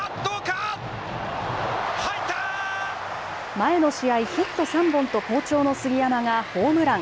前の試合、ヒット３本と好調の杉山がホームラン。